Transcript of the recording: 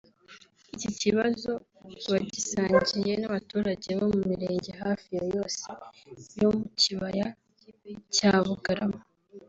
Iki kibazo bagisangiye n’abaturage bo mu mirenge hafi ya yose yo mu kibaya cya Bugarama